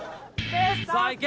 ・さあいけ！